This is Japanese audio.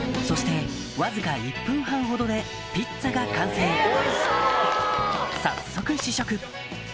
そしてわずか１分半ほどでピッツァが完成早速試食